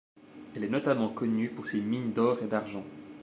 Elle est notamment connue pour ses mines d'or et d'argent.